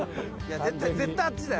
絶対あっちだよ。